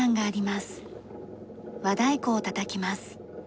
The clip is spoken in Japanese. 和太鼓をたたきます。